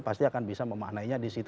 pasti akan bisa memaknainya di situ